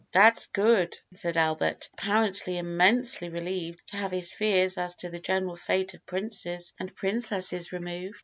"Dat's good," said Albert, apparently immensely relieved to have his fears as to the general fate of princes and princesses removed.